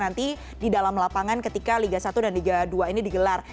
nanti di dalam lapangan ketika liga satu dan liga dua ini digelar